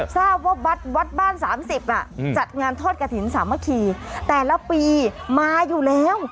ทราบว่าวัดบ้าน๓๐จัดงานทอดกระถิ่นสามัคคีแต่ละปีมาอยู่แล้ว